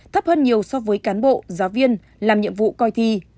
thấp hơn nhiều so với cán bộ giáo viên làm nhiệm vụ coi thi